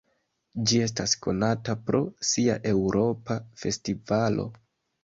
Ĝi estas konata pro sia Eŭropa festivalo.